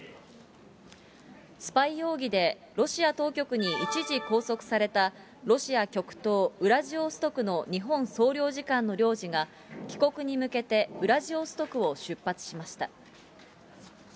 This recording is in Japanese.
スパイ容疑でロシア当局に一時拘束されたロシア極東ウラジオストクの日本総領事館の領事が、帰国に向けてウラジオストクを出発しました。